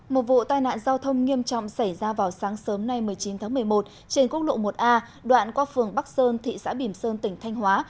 một vụ tai nạn giao thông nghiêm trọng xảy ra vào sáng sớm nay một mươi chín tháng một mươi một trên quốc lộ một a đoạn qua phường bắc sơn thị xã bìm sơn tỉnh thanh hóa